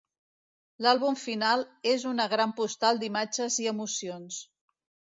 L'àlbum final és una gran postal d'imatges i emocions.